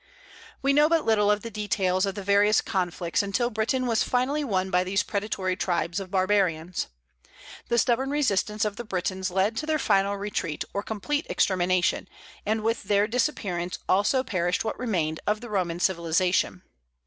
We know but little of the details of the various conflicts until Britain was finally won by these predatory tribes of barbarians. The stubborn resistance of the Britons led to their final retreat or complete extermination, and with their disappearance also perished what remained of the Roman civilization.